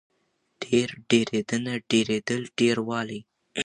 ډېر، ډېرېدنه، ډېرېدل، ډېروالی